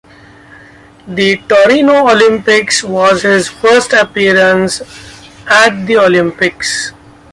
The Torino Olympics was his first appearance at the Olympics.